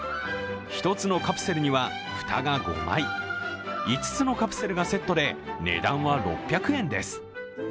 １つのカプセルには蓋が５枚、５つのカプセルがセットで値段は６００円です。